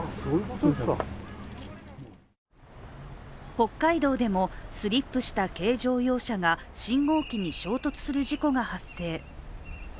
北海道でもスリップした軽乗用車が信号機に衝突する事故が発生。